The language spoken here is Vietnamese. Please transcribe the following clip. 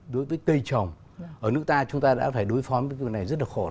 đối với cây trồng